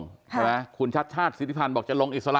ใช่ไหมคุณชัดชาติสิทธิพันธ์บอกจะลงอิสระ